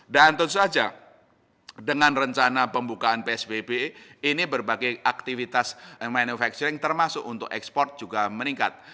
dan tentu saja dengan rencana pembukaan psbb ini berbagai aktivitas manufacturing termasuk untuk ekspor juga meningkat